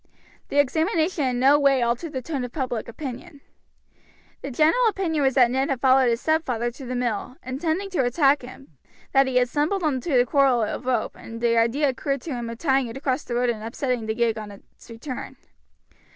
The examination in no way altered the tone of public opinion. The general opinion was that Ned had followed his stepfather to the mill, intending to attack him, that he had stumbled onto the coil of rope, and the idea occurred to him of tying it across the road and upsetting the gig on its return.